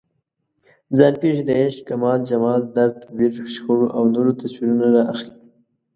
ځان پېښې د عشق، کمال، جمال، درد، ویر، شخړو او نورو تصویرونه راخلي.